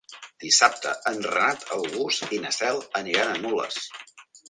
Dissabte en Renat August i na Cel aniran a Nules.